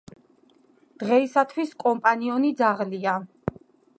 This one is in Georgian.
დღეისთვის კომპანიონი ძაღლია.